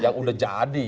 yang udah jadi